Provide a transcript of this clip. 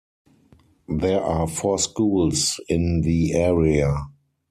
There are four schools in the area.